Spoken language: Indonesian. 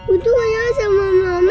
untuk maunya sama mama